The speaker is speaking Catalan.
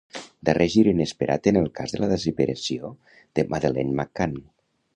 Darrer gir inesperat en el cas de la desaparició de Madeleine McCann